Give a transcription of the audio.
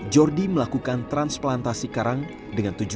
jordi melakukan transplantasi karang dengan tujuan